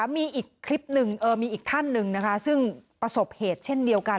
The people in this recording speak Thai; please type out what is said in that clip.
มีอีกคลิปหนึ่งมีอีกท่านหนึ่งนะคะซึ่งประสบเหตุเช่นเดียวกัน